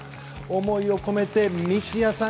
思いを込めて三ツ谷さん。